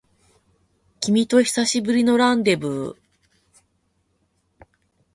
君と久しぶりのランデブー